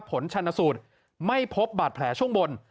ผลชนสูตรไม่พบบาดแผลช่วงบน